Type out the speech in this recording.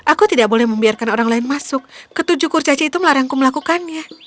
aku tidak boleh membiarkan orang lain masuk ke tujuh kurcaci itu melarangku melakukannya